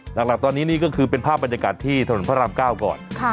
หลักตอนนี้นี่ก็คือเป็นภาพบรรยากาศที่ถนนพระราม๙ก่อน